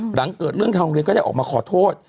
หลังเกิดเรื่องทางโรงเรียนก็ได้ออกมาขอโทษ